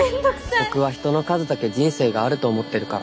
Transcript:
ボクは人の数だけ人生があると思ってるから。